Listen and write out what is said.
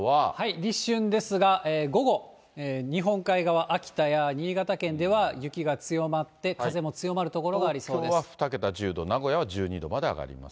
立春ですが、午後、日本海側、秋田や新潟県では雪が強まって、東京は２桁、１０度、名古屋は１２度まで上がります。